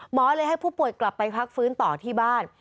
เลยให้ผู้ป่วยกลับไปพักฟื้นต่อที่บ้าน